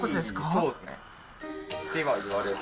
そうですね。